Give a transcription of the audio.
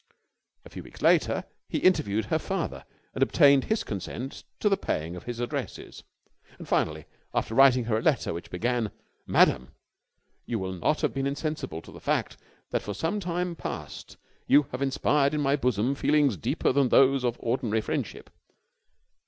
A few weeks later, he interviewed her father and obtained his consent to the paying of his addresses. And finally, after writing her a letter which began "Madam! you will not have been insensible to the fact that for some time past you have inspired in my bosom feelings deeper than those of ordinary friendship...."